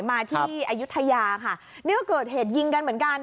มาที่อายุทยาค่ะนี่ก็เกิดเหตุยิงกันเหมือนกัน